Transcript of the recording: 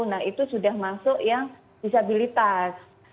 nah itu sudah masuk yang disabilitas